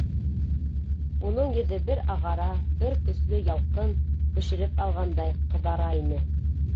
Уның йөҙө бер ағара, бер, көслө ялҡын бешереп алғандай, ҡыҙара ине.